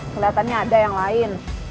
keliatannya ada yang lain